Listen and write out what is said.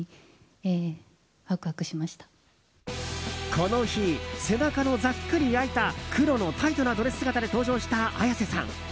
この日、背中のざっくり開いた黒のタイトなドレス姿で登場した綾瀬さん。